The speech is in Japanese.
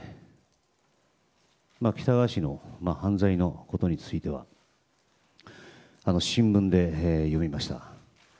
喜多川氏の犯罪のことについては新聞で読みました。